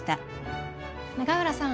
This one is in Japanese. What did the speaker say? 永浦さん